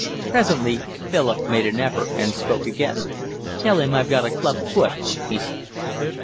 Presently Philip made an effort and spoke again. "Tell him I've got a club foot," he said.